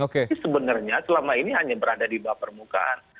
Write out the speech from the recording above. ini sebenarnya selama ini hanya berada di bawah permukaan